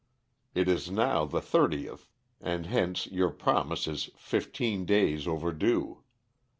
It is now the thirtieth (30th), and hence your promise is fifteen (15) days over due.